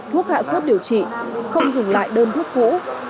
thuốc hạ sốt điều trị không dùng lại đơn thuốc cũ